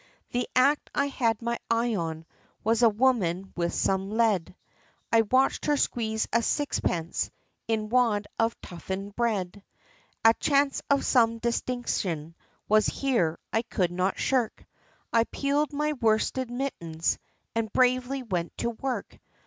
The act I had my eye on, was a woman with some lead, I watched her squeeze a sixpence, in wad of toughened bread. A chance of some distinction was here, I could not shirk, I peeled my worsted mittens, and bravely went to work.